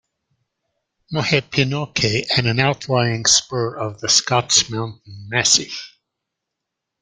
Mohepinoke and an outlying spur of the Scotts Mountain massif.